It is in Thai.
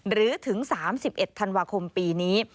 หรือถึง๓๑ธันวาคมปีนี้